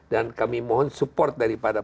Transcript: dan kami mohon support dari pak jokowi